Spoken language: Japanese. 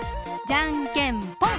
じゃんけんぽん！